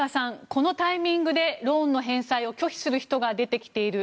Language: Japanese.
このタイミングでローンの返済を拒否する人が出てきている。